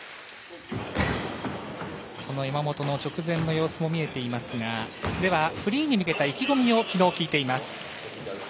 その山本の直前の様子も見えていますがフリーに向けた意気込みを昨日、聞いています。